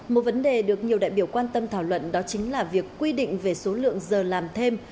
một vấn đề được nhiều đại biểu quan tâm thảo luận đó chính là việc quy định về số lượng giờ làm thêm